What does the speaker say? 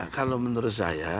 kalau menurut saya